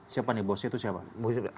siapa nih bosnya itu siapa